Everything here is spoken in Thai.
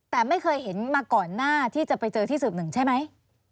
แต่ไม่เคยเห็นมาก่อนหน้าที่จะไปเจอที่สืบหนึ่งใช่ไหม